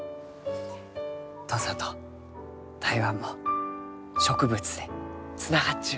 土佐と台湾も植物でつながっちゅうのう。